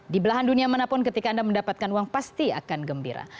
di belahan dunia manapun ketika anda mendapatkan uang pasti akan gembira